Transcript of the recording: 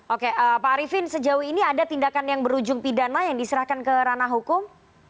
oke pak arifin sejauh ini ada tindakan yang berujung pidana yang diserahkan ke ranah hukum